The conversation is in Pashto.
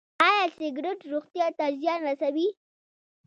ایا سګرټ روغتیا ته زیان رسوي؟